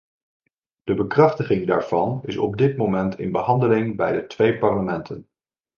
De bekrachtiging daarvan is op dit moment in behandeling bij de twee parlementen.